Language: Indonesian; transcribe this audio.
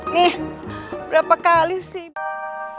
nih berapa kali sih